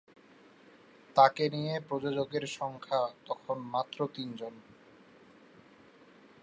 তাঁকে নিয়ে প্রযোজকের সংখ্যা তখন মাত্র তিনজন।